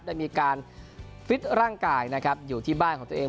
ได้มีการฟิตร่างกายนะครับอยู่ที่บ้านของตัวเอง